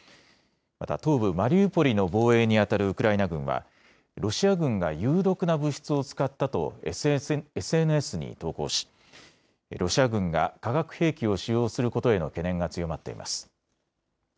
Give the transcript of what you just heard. また東部マリウポリの防衛にあたるウクライナ軍はロシア軍が有毒な物質を使ったとＳＮＳに投稿し、ロシア軍が化学兵器を使用することへの懸念が強まっています。